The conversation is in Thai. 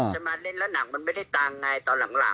ทำไมเล่นแล้วหนังมันไม่ได้ต่างไงตอนหลังอ่ะ